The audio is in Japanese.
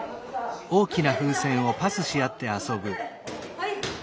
はい。